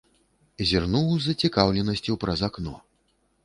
Зірнуў з зацікаўленасцю праз акно.